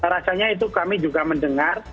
rasanya itu kami juga mendengar